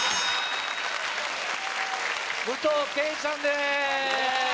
武藤敬司さんです。